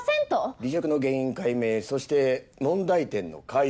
離職の原因解明そして問題点の改善